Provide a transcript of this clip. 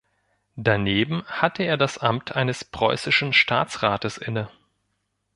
Daneben hatte er das Amt eines Preußischen Staatsrates inne.